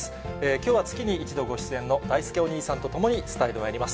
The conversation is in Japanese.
きょうは月に一度ご出演のだいすけお兄さんと共に伝えてまいります。